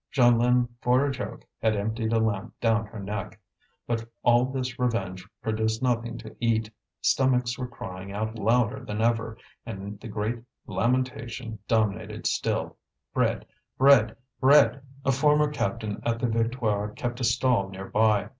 Jeanlin for a joke, had emptied a lamp down her neck. But all this revenge produced nothing to eat. Stomachs were crying out louder than ever. And the great lamentation dominated still: "Bread! bread! bread!" A former captain at the Victoire kept a stall near by.